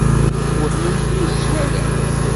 Twehmemt mi tt-twalamt?